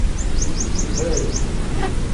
Yuhaz